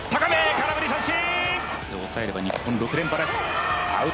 空振り三振！